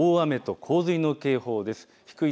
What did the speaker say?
大雨と洪水の警報です。